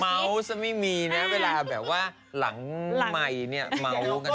เม้าส์ไม่มีเนี่ยเวลาแบบว่าหลังไมค์เนี่ยเม้าส์กัน